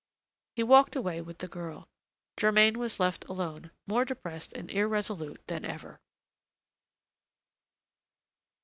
He walked away with the girl. Germain was left alone, more depressed and irresolute than ever.